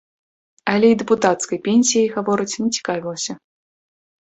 Але і дэпутацкай пенсіяй, гавораць, не цікавілася.